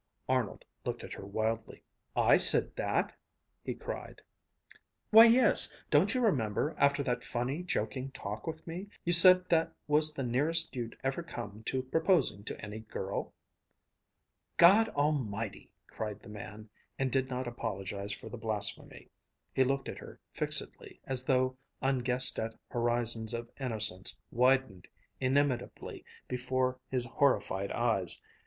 Arnold looked at her wildly. "I said that!" he cried. "Why, yes, don't you remember, after that funny, joking talk with me, you said that was the nearest you'd ever come to proposing to any girl?" "God Almighty!" cried the man, and did not apologize for the blasphemy. He looked at her fixedly, as though unguessed at horizons of innocence widened inimitably before his horrified eyes.